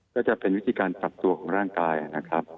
ก็จะเป็นวิธีการปรับตัวของร่างกายนะครับ